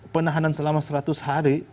penahanan selama seratus hari